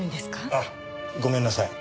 あごめんなさい。